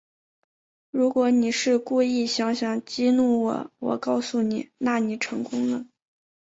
如果你是故意想想激怒我，我告诉你，那你成功了